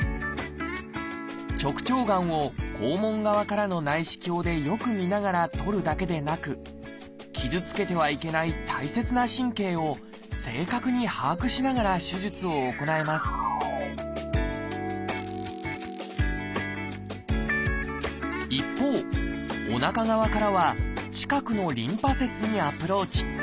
直腸がんを肛門側からの内視鏡でよく見ながら取るだけでなく傷つけてはいけない大切な神経を正確に把握しながら手術を行えます一方おなか側からは近くのリンパ節にアプローチ。